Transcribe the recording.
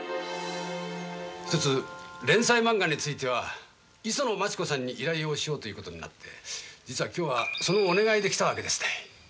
ひとつ連載漫画については磯野マチ子さんに依頼をしようということになって実は今日はそのお願いで来たわけですたい。